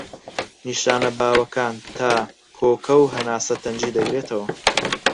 نیشانە باوەکان تا، کۆکە و هەناسە تەنگی دەگرێتەوە.